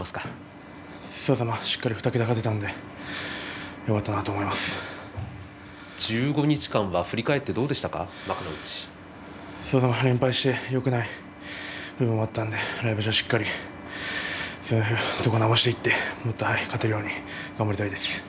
しっかり２桁勝てたので１５日間は振り返って連敗してよくない部分もあったので来場所しっかり直すのは、直していって、もっと勝てるように頑張りたいです。